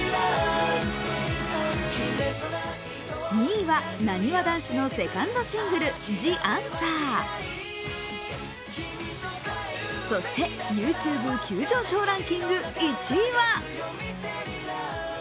２位は、なにわ男子のセカンドシングル「ＴｈｅＡｎｓｗｅｒ」そしてＹｏｕＴｕｂｅ急上昇ランキング１位は？